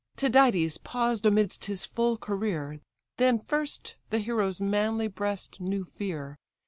Tydides paused amidst his full career; Then first the hero's manly breast knew fear.